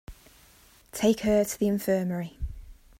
Take her to the infirmary.